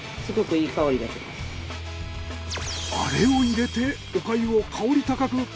あれを入れてお粥を香り高く！